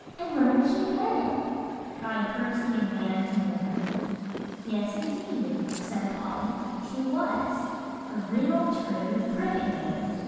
And where did she get it?" cried Percy and Van together. "Yes, indeed," said Polly; "she was a real true cricket band.